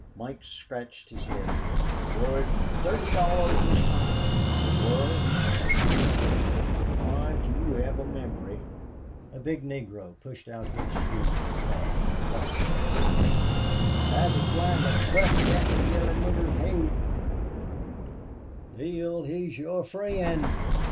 Mike scratched his head. "Wor it thorty dollars this toime?" "It wor," replied the other. "Moike, yez hev a mimory." A big Negro pushed out his huge jaw and blustered at his fellows. "I's a gwine to bust thet yaller nigger's haid," he declared. "Bill, he's your fr'en'.